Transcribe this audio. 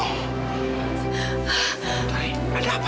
mutari ada apa